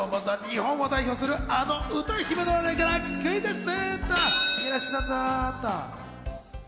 まずは日本を代表するあの歌姫の話題からクイズッス！